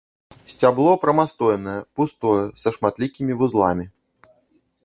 Сцябло прамастойнае, пустое, са шматлікімі вузламі.